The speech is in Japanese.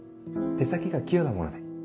手先が器用なもので。